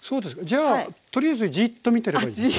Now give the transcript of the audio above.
じゃあとりあえずじっと見てればいいですか？